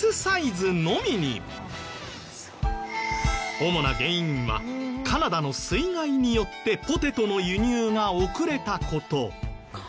主な原因はカナダの水害によってポテトの輸入が遅れた事。